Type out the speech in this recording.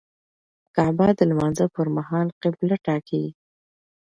کعبه د لمانځه پر مهال قبله ټاکي.